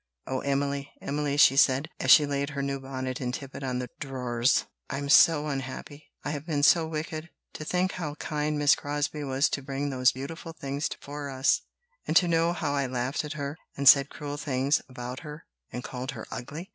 "Oh, Emily, Emily!" she said, as she laid her new bonnet and tippet on the drawers, "I am so unhappy; I have been so wicked! to think how kind Miss Crosbie was to bring those beautiful things for us, and to know how I laughed at her, and said cruel things about her, and called her ugly!